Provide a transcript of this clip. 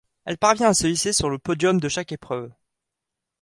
Elle parvient à se hisser sur le podium de chaque épreuve.